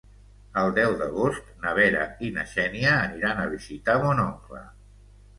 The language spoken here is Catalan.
El deu d'agost na Vera i na Xènia aniran a visitar mon oncle.